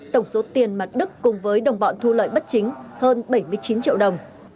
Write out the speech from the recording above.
tổng số tiền mà đức cùng với đồng bọn thu lợi bất chính hơn bảy mươi chín triệu đồng